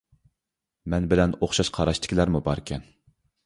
مەن بىلەن ئوخشاش قاراشتىكىلەرمۇ باركەن.